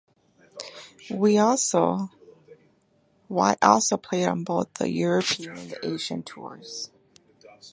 Wie also played on both the European and Asian tours.